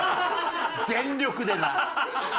全力でな。